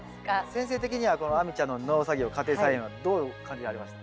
先生的にはこの亜美ちゃんの農作業家庭菜園はどう感じられました？